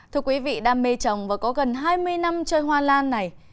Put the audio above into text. thưa quý vị đam mê trồng và có gần hai mươi năm chơi hoa lan này